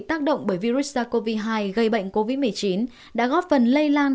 tác động bởi virus sars cov hai gây bệnh covid một mươi chín đã góp phần lây lan